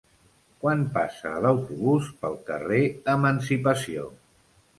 Quan passa l'autobús pel carrer Emancipació?